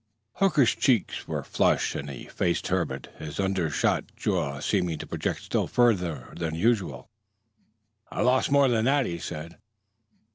Hooker's cheeks were flushed and he faced Herbert, his undershot jaw seeming to project still further than usual. "I lost more than that," he said.